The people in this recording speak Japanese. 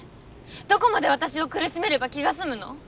どこまで私を苦しめれば気が済むの？